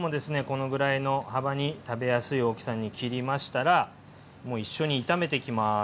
このぐらいの幅に食べやすい大きさに切りましたらもう一緒に炒めていきます。